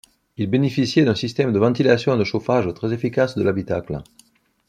Il bénéficiait d'un système de ventilation et de chauffage très efficace de l'habitacle.